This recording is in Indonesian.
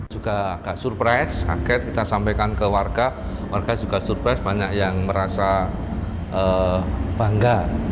juga agak surprise kaget kita sampaikan ke warga warga juga surprise banyak yang merasa bangga